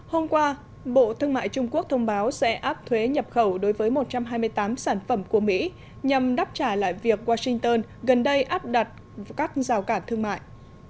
hôm qua bộ thương mại trung quốc thông báo sẽ áp thuế nhập khẩu đối với một trăm hai mươi tám sản phẩm của mỹ nhằm đáp trả lại việc washington gần đây áp đặt các rào cản thương mại